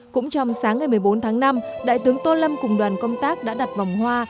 cũng trong sáng ngày một mươi bốn tháng năm đại tướng tô lâm cùng đoàn công tác đã đặt vòng hoa